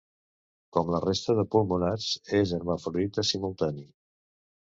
Com la resta de pulmonats, és hermafrodita simultani.